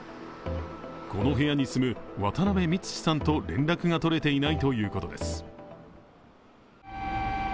この部屋に住む渡辺三士さんと連絡が取れていないということです。